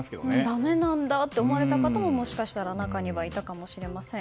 だめなんだって思われた方ももしかしたら中にはいたかもしれません。